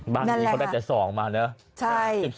บ้านนี้เขาได้แต่๒มาเนอะ